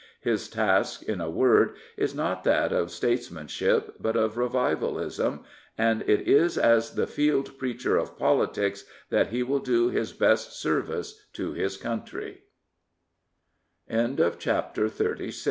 His task, in a word, is not that of states manship, but of revivalism, and it is as the field preacher of politics that he will do his best service to his country.